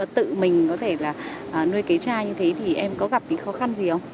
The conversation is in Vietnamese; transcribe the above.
tự mình có thể là nuôi cấy chai như thế thì em có gặp cái khó khăn gì không